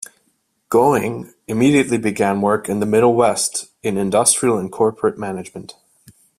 Going immediately began work in the Middle West in industrial and corporate management.